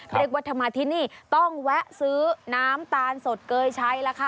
เรียกว่าถ้ามาที่นี่ต้องแวะซื้อน้ำตาลสดเกยใช้ล่ะค่ะ